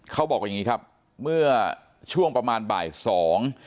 เขาบอกอย่างงี้ครับเมื่อช่วงประมาณบ่ายสอง